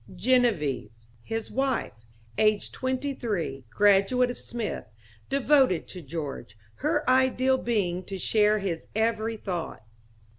Genevieve... His wife, aged twenty three, graduate of Smith. Devoted to George; her ideal being to share his every thought.